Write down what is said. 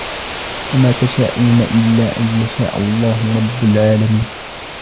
وما تشاءون إلا أن يشاء الله رب العالمين